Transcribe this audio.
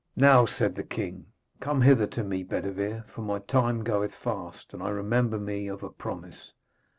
'Now,' said the king, 'come hither to me, Bedevere, for my time goeth fast and I remember me of a promise.